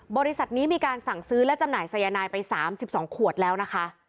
บริษัทนี้มีการสั่งซื้อและจำหน่ายสายนายไป๓๒ขวดแล้วนะคะ